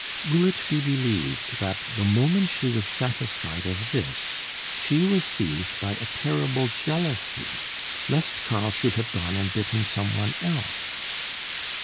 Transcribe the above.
Will it be believed that the moment she was satisfied of this, she was seized by a terrible jealousy, lest Karl should have gone and bitten some one else?